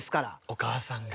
お母さんが。